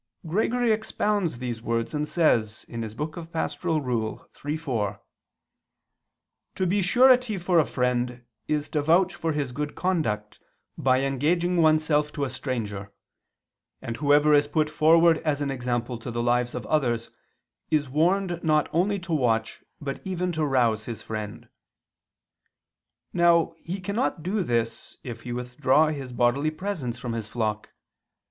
Gregory expounds these words and says (Pastor. iii, 4): "To be surety for a friend, is to vouch for his good conduct by engaging oneself to a stranger. And whoever is put forward as an example to the lives of others, is warned not only to watch but even to rouse his friend." Now he cannot do this if he withdraw his bodily presence from his flock.